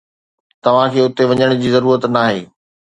توهان کي اتي وڃڻ جي ضرورت ناهي